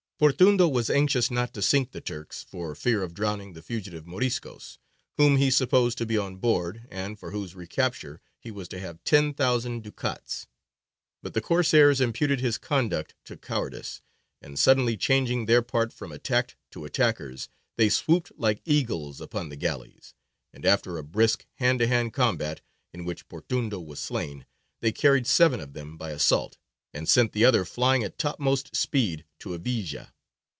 Portundo was anxious not to sink the Turks, for fear of drowning the fugitive Moriscos, whom he supposed to be on board, and for whose recapture he was to have ten thousand ducats; but the Corsairs imputed his conduct to cowardice, and, suddenly changing their part from attacked to attackers, they swooped like eagles upon the galleys, and after a brisk hand to hand combat, in which Portundo was slain, they carried seven of them by assault, and sent the other flying at topmost speed to Iviça.